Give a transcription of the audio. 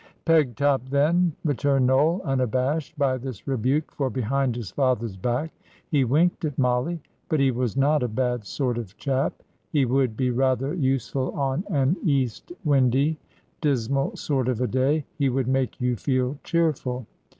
"Pegtop, then," returned Noel, unabashed by this rebuke, for behind his father's back he winked at Mollie. "But he was not a bad sort of chap. He would be rather useful on an east windy, dismal sort of a day he would make you feel cheerful.